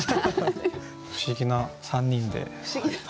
不思議な３人で。